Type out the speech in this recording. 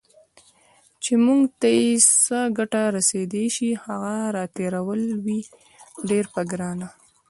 چې موږ ته یې څه ګټه رسېدای شي، هغه راتېرول وي ډیر په ګرانه